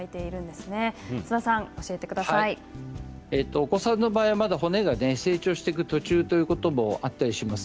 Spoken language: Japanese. お子さんの場合は骨が成長していく途中ということもあります。